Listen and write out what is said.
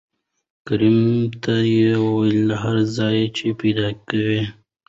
کريم ته يې وويل له هر ځايه چې پېدا کوې.